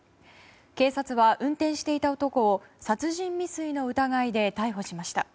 警察は運転していた男を殺人未遂の疑いで逮捕しました。